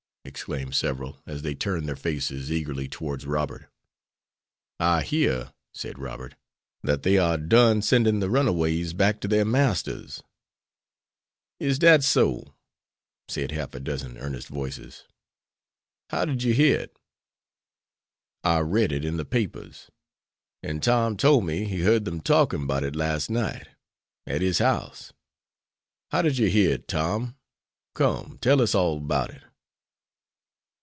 exclaimed several, as they turned their faces eagerly towards Robert. "I hear," said Robert, "that they are done sending the runaways back to their masters." "Is dat so?" said a half dozen earnest voices. "How did you yere it?" "I read it in the papers. And Tom told me he heard them talking about it last night, at his house. How did you hear it, Tom? Come, tell us all about it."